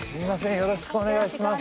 よろしくお願いします